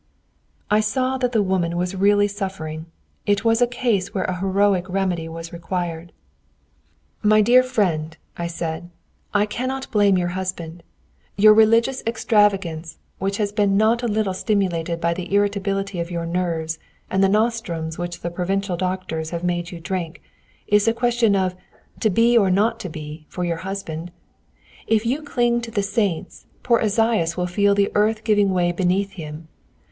I saw that the woman was really suffering. It was a case where a heroic remedy was required. "My dear friend," I said, "I cannot blame your husband. Your religious extravagance, which has been not a little stimulated by the irritability of your nerves and the nostrums which the provincial doctors have made you drink, is a question of 'to be or not to be' for your husband. If you cling to the saints, poor Esaias will feel the earth giving way beneath him.